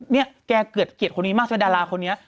เนี่ยแกเกิดเกียรติคนนี้มากแล้วดาราคนนี้